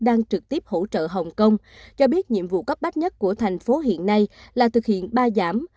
đang trực tiếp hỗ trợ hồng kông cho biết nhiệm vụ cấp bách nhất của thành phố hiện nay là thực hiện ba giảm